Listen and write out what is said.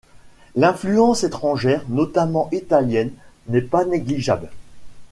L’influence étrangère, notamment italienne, n’est pas négligeable.